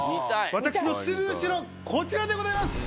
私のすぐ後ろこちらでございます！